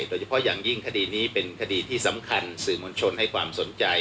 โดยเฉพาะอย่างยิ่งคดีนี้เป็นคดีที่สำคัญสื่อมวลชนให้ความสนใจ